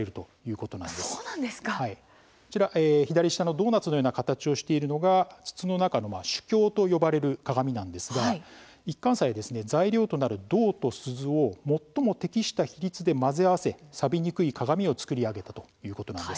こちら左下のドーナツのような形をしているのが筒の中の主鏡と呼ばれる鏡なんですが一貫斎は材料となる銅と錫を最も適した比率で混ぜ合わせさびにくい鏡を作り上げたということなんです。